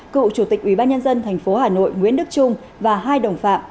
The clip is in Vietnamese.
cựu chủ tịch ủy ban nhân dân thành phố hà nội nguyễn đức trung và hai đồng phạm